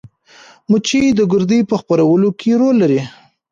مچۍ د ګردې په خپرولو کې رول لري